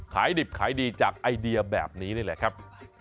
ขายดิบขายดีจากไอเดียแบบนี้นี่แหละครับ